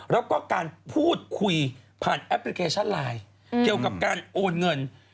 แล้วก็การพูดคุยผ่านแอปพลิเคชันไลน์เกี่ยวกับการโอนเงิน